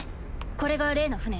これが例の船？